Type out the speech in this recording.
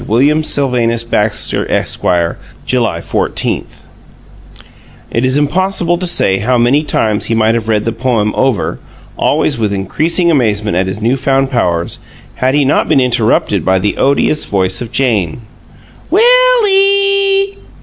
WILLIAM SYLVANUS BAXTER, Esq., July 14 It is impossible to say how many times he might have read the poem over, always with increasing amazement at his new found powers, had he not been interrupted by the odious voice of Jane. "Will ee!"